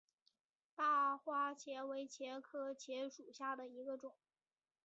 大花茄为茄科茄属下的一个种。